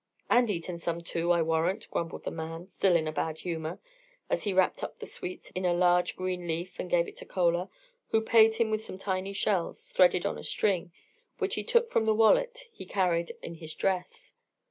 "And eaten some, too, I warrant," grumbled the man, still in a bad humour, as he wrapped up the sweets in a large green leaf and gave it to Chola, who paid him with some tiny shells, threaded on a string, which he took from the wallet he carried in his dress.